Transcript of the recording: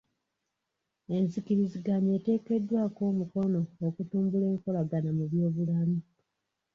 Enzikiriziganya eteekeddwako omukono okutumbula enkolagana mu by'obulamu.